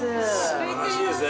素晴らしいですね。